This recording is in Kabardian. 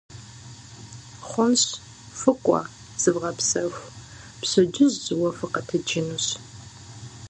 Хъунщ, фыкӀуэ, зывгъэпсэху, пщэдджыжь жьыуэ фыкъэтэджынущ.